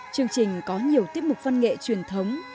chương trình có nhiều tiết mục văn nghệ truyền thống